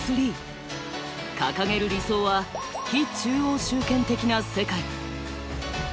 掲げる理想は「非中央集権的」な世界。